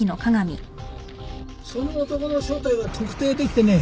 その男の正体が特定できてね。